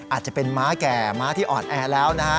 อาจจะเป็นม้าแก่ม้าที่อ่อนแอแล้วนะฮะ